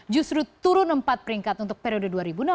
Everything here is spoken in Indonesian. justru turun empat peringkat untuk periode dua ribu enam belas dua ribu dua